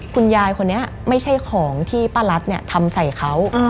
คุณยายคนนี้ไม่ใช่ของที่ป้ารัฐทำใส่เขา